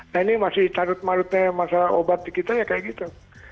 nah ini masih carut marutnya masalah obat digital ya kayak gitu